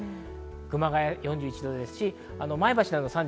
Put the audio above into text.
熊谷４１度ですし、前橋など３９度。